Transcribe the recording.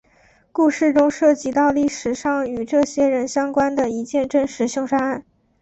故事中涉及到历史上与这些人相关的一件真实凶杀案。